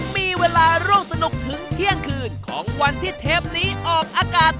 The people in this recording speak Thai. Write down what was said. มีเวลาร่วมสนุกถึงเที่ยงคืนของวันที่เทปนี้ออกอากาศ